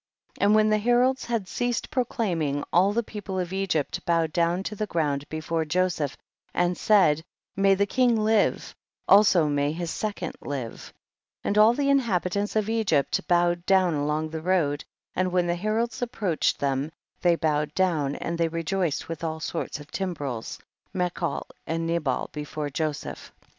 29. And when the heralds had ceased proclaiming, all the people of Egypt bowed down to the ground before Joseph and said, may the king live, also may his second live ; and all the inhabitants of Egypt bow ed down along the road, and when the heralds approached them, they bowed down, and they rejoiced with all sorts of timbrels, mechol and ne bal before Joseph.